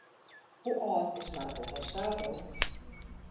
Hoe âld is Marco Borsato?